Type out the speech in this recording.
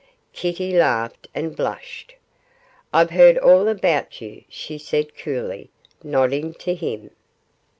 Kitty laughed, and blushed. 'I've heard all about you,' she said, coolly, nodding to him.